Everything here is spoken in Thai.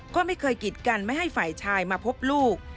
ก็ไม่เคยกิดกันไม่ให้ฝ่ายชายมาพบลูก